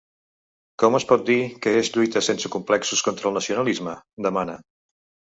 Com es pot dir que es lluita sense complexos contra el nacionalisme?, demana.